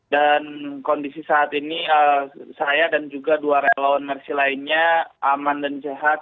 dan kondisi saat ini saya dan juga dua relawan mersi lainnya aman dan jahat